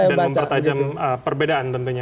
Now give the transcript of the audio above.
jadi ini adalah perbedaan tentunya